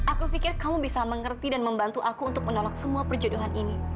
aku pikir kamu bisa mengerti dan membantu aku untuk menolak semua perjodohan ini